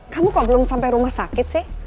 kenapa belum sampai rumah sakit sih